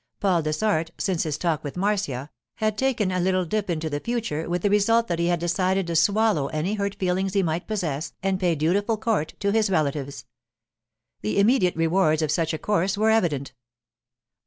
Paul Dessart, since his talk with Marcia, had taken a little dip into the future, with the result that he had decided to swallow any hurt feelings he might possess and pay dutiful court to his relatives. The immediate rewards of such a course were evident.